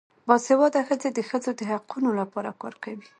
باسواده ښځې د ښځو د حقونو لپاره کار کوي.